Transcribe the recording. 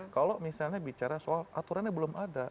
kalau misalnya bicara soal aturannya belum ada